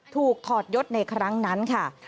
ถอดยศในครั้งนั้นค่ะ